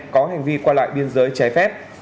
có hành vi qua lại biên giới trái phép